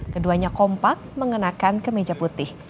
keduanya kompak mengenakan kemeja putih